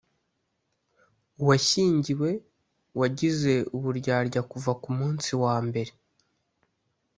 Uwashyingiwe wagize uburyarya kuva ku munsi wa mbere